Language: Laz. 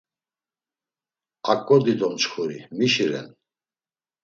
Aǩo dido mçxuri mişi ren?